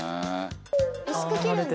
薄く切るんだ。